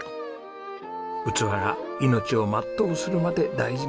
器が命を全うするまで大事に使う。